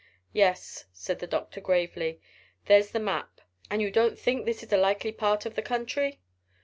"Yes," said the doctor gravely, "there's the map. But you don't think this is a likely part of the country?"